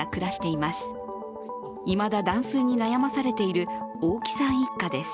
いまだ断水に悩まされている大木さん一家です。